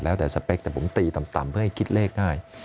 แล้วแต่สเปคแต่ผมตีต่ำเพื่อให้คิดเลขง่าย